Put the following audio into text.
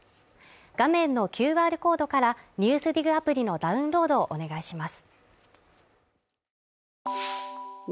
画面のＱＲコードから、「ＮＥＷＳＤＩＧ」アプリのダウンロードをお願いします。